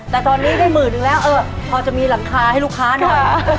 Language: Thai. แต่ตอนนี้ได้หมื่นนึงแล้วเออพอจะมีหลังคาให้ลูกค้าหน่อย